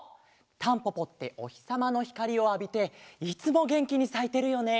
タンポポっておひさまのひかりをあびていつもげんきにさいてるよね。